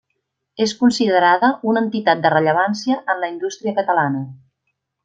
És considerada una entitat de rellevància en la indústria catalana.